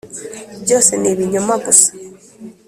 byose ni ibinyoma, gusa